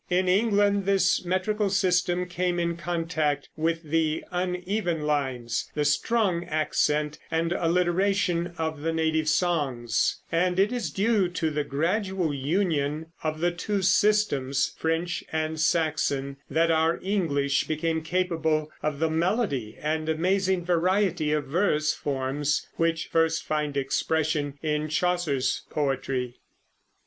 In England this metrical system came in contact with the uneven lines, the strong accent and alliteration of the native songs; and it is due to the gradual union of the two systems, French and Saxon, that our English became capable of the melody and amazing variety of verse forms which first find expression in Chaucer's poetry.